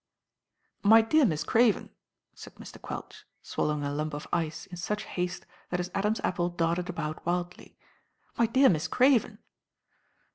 "My dear Miss Craven," said Mr. Quelch, swal lowing a lump of ice in such haste that his Adam's apple darted about wildly, "my dear Miss Craven."